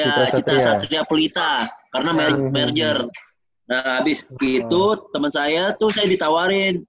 iya citra satria pelita karena merger nah habis itu temen saya tuh saya ditawarin